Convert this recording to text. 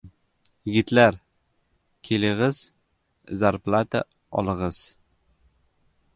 Yigitlar, kelig‘iz, zarplata olig‘iz!